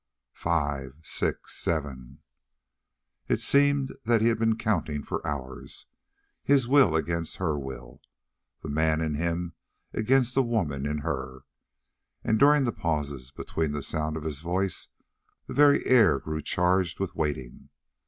"Five six seven " It seemed that he had been counting for hours, his will against her will, the man in him against the woman in her, and during the pauses between the sound of his voice the very air grew charged with waiting.